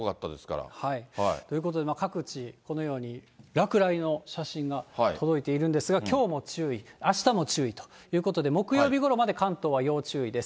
ということで、各地、このように落雷の写真が届いているんですが、きょうも注意、あしたも注意ということで、木曜日ごろまで関東は要注意です。